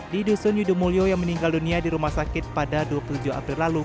di dusun yudho mulyo yang meninggal dunia di rumah sakit pada dua puluh tujuh april lalu